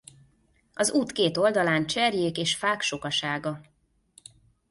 Az út két oldalán cserjék és fák sokasága.